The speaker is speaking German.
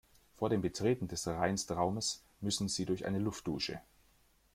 Vor dem Betreten des Reinstraumes müssen Sie durch eine Luftdusche.